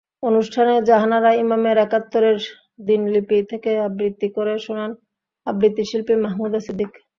অনুষ্ঠানে জাহানারা ইমামের একাত্তরের দিনলিপি থেকে আবৃত্তি করে শোনান আবৃত্তিশিল্পী মাহমুদা সিদ্দিক।